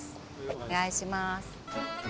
お願いします。